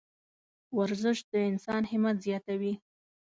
ورزش د انسان همت زیاتوي.